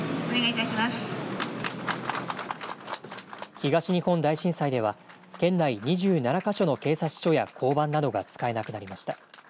東日本大震災では県内２７か所の警察署や交番などが使えなくなりました。